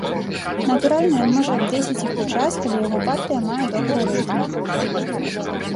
Натуральна, ён можа абвесіць іх у час, калі яго партыя мае добры рэйтынг.